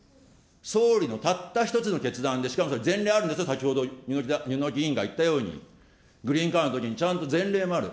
総理のたった一つの決断で、前例あるんですよ、先ほど柚木議員が言ったように、グリーンカードにもちゃんと前例もある。